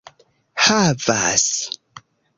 havas